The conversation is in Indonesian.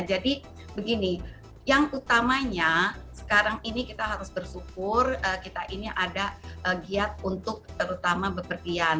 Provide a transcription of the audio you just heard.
jadi begini yang utamanya sekarang ini kita harus bersyukur kita ini ada giat untuk terutama berpergian